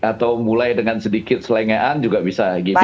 atau mulai dengan sedikit selengean juga bisa gimmick